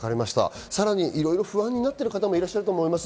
いろいろ不安になってる方もいらっしゃると思います。